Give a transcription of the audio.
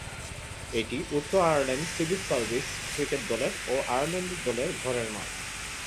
এটি উত্তর Ireland civil service cricket দলের ও আয়ারল্যান্ড দলের ঘরের মাঠ।